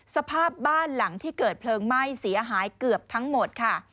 สภาพบ้านหลังที่เกิดเพลิงไหม้เสียหายเกือบทั้งหมดค่ะ